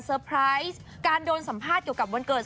ไพรส์การโดนสัมภาษณ์เกี่ยวกับวันเกิด